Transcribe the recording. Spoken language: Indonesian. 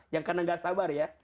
yang karena gak sabar ya